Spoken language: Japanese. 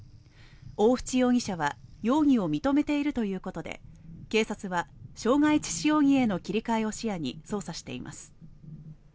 大渕容疑者は容疑を認めているということで、警察は傷害致死容疑への切り替えを視野に捜査しています。